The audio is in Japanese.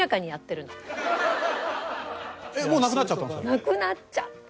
なくなっちゃった。